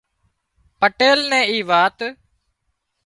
پٽيل نين اي وات